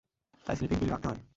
তাই sleeping pill রাখতে হয়।